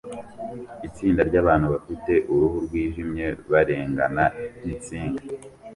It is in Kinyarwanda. Itsinda ryabantu bafite uruhu rwijimye barengana insinga